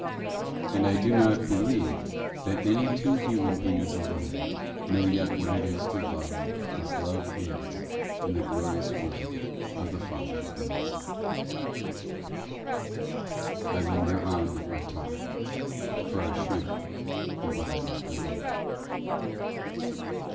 And I do not believe that any two human beings alive know yet what it is to love as love is in the glorious will of the Father of lights. I linger on with my talk, for I shrink from what I must relate.